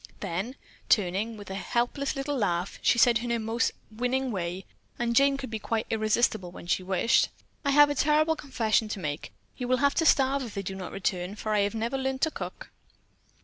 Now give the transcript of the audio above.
Then, turning with a helpless little laugh, she said in her most winning way (and Jane could be quite irresistible when she wished), "I have a terrible confession to make. You will have to starve if they do not return, for I have never learned to cook."